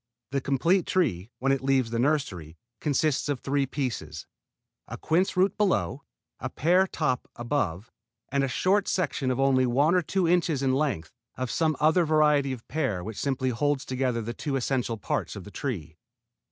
The complete tree, when it leaves the nursery, consists of three pieces, a quince root below, a pear top above, and a short section of only one or two inches in length of some other variety of pear which simply holds together the two essential parts of the tree.